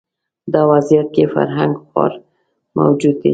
دا وضعیت کې فرهنګ خوار موجود دی